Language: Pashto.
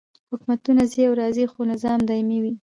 حکومتونه ځي او راځي خو نظام دایمي وي.